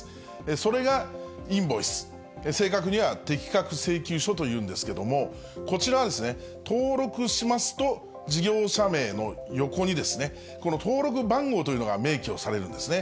それがインボイス、正確には適格請求書というんですけれども、こちらは、登録しますと、事業者名の横に、この登録番号というのが名記をされるんですね。